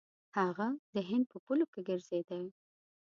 هغه د هند په پولو کې ګرځېدی.